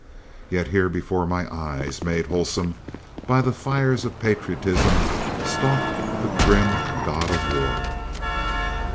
"Yet, here before my very eyes, made wholesome by the fires of patriotism, stalked the grim God of War.